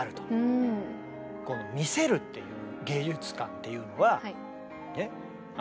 この「見せる」っていう芸術観っていうのは。